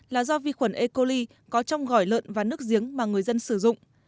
là do vi khuẩn e coli có trong gỏi lợn và nước giếng mà người dân sử dụng